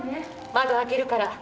窓開けるから。